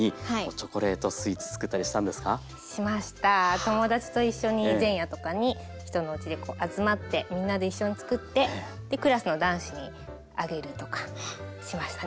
友達と一緒に前夜とかに人のおうちでこう集まってみんなで一緒につくってクラスの男子にあげるとかしましたね。